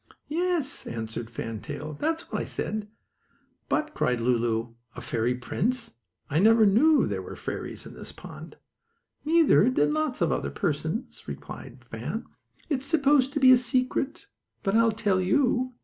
"Yes," answered Fan Tail, "that's what I said." "But!" cried Lulu. "A fairy prince! I never knew there were fairies in this pond!" "Neither did lots of other persons," replied Fan. "It's supposed to be a secret, but I'll tell you.